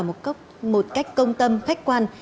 một cách công tâm khách quan